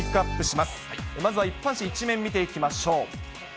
まずは一般紙１面見ていきましょう。